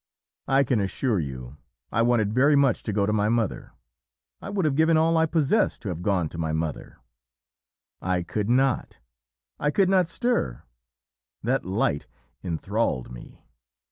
"I can assure you I wanted very much to go to my mother; I would have given all I possessed to have gone to my mother; I could not: I could not stir; that light enthralled me.